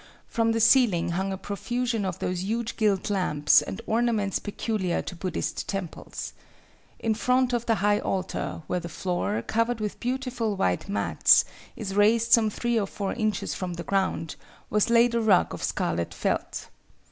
From the ceiling hung a profusion of those huge gilt lamps and ornaments peculiar to Buddhist temples. In front of the high altar, where the floor, covered with beautiful white mats, is raised some three or four inches from the ground, was laid a rug of scarlet felt.